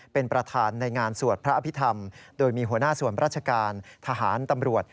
เป็นประธานในงานสวดพระอภิษฐรรมโดยมีหัวหน้าส่วนราชการทหารตำรวจ